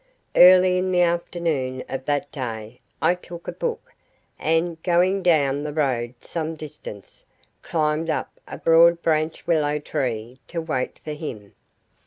Early in the afternoon of that day I took a book, and, going down the road some distance, climbed up a broad branched willow tree to wait for him.